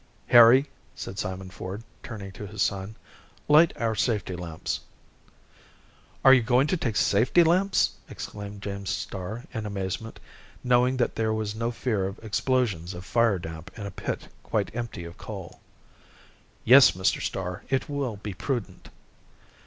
"Harry," said Simon Ford, turning to his son, "light our safety lamps." "Are you going to take safety lamps!" exclaimed James Starr, in amazement, knowing that there was no fear of explosions of fire damp in a pit quite empty of coal. "Yes, Mr. Starr, it will be prudent."